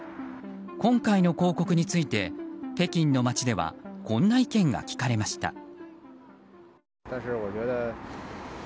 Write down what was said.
今回の広告について北京の街ではこんな意見が聞かれました。